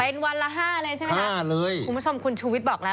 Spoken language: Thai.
เป็นวันละห้าเลยใช่ไหมคะห้าเลยคุณผู้ชมคุณชูวิทย์บอกแล้ว